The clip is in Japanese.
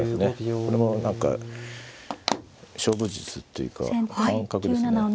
これも何か勝負術というか感覚ですね。